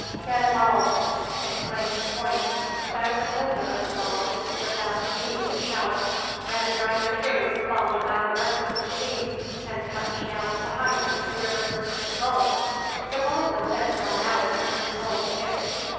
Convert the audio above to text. "Dead ball!" and claimed the point; but the holder of the ball, without heeding the shouts, ran right through followed by the rest of his team, and touched down behind the River Smith goal. The ball was then brought out and a goal kicked.